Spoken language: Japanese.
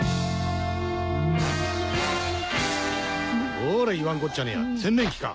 ほら言わんこっちゃねえや洗面器か？